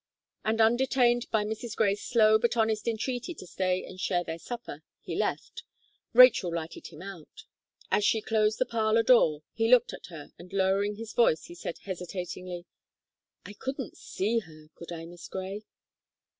And, undetained by Mrs. Gray's slow but honest entreaty to stay and share their supper, he left Rachel lighted him out. As she closed the parlour door, he looked at her, and lowering his voice, he said hesitatingly: "I couldn't see her, could I, Miss Gray?"